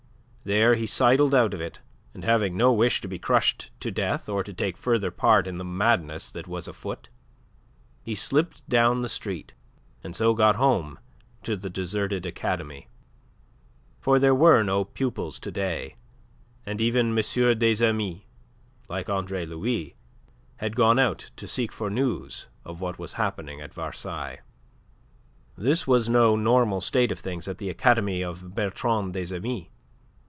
There he sidled out of it, and having no wish to be crushed to death or to take further part in the madness that was afoot, he slipped down the street, and so got home to the deserted academy. For there were no pupils to day, and even M. des Amis, like Andre Louis, had gone out to seek for news of what was happening at Versailles. This was no normal state of things at the Academy of Bertrand des Amis.